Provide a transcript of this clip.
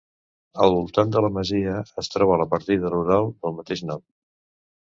Al voltant de la masia es troba la partida rural del mateix nom.